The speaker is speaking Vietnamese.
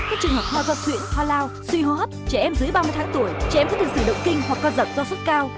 các trường hợp hoa do thuyện hoa lao suy hô hấp trẻ em dưới ba mươi tháng tuổi trẻ em có tình sự động kinh hoặc con giật do sốt cao